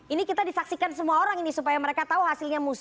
ini tabulasi nasional